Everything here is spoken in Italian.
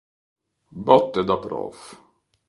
Botte da prof.